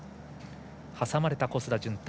挟まれた小須田潤太。